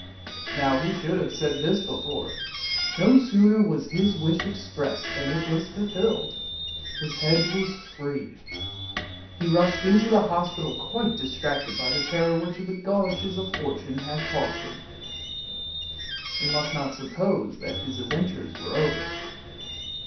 Now he should have said this before; no sooner was the wish expressed than it was fulfilled, his head was free. He rushed into the hospital quite distracted by the terror which the goloshes of Fortune had caused him. We must not suppose that his adventures were over.